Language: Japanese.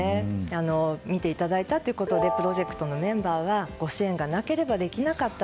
見ていただいたということでプロジェクトのメンバーはご支援がなければできなかった。